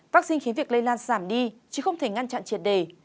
vaccine khiến việc lây lan giảm đi chứ không thể ngăn chặn triệt đề